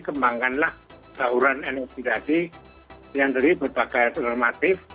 kembangkanlah dauran energi tadi yang tadi berbagai